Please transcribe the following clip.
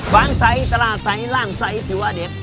บางไซค์ตราไซค์ลางไซค์ที่ว่าเด็ด